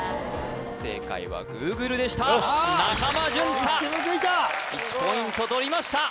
正解はＧｏｏｇｌｅでした中間淳太一矢報いた１ポイントとりました